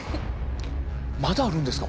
まだあるんですか？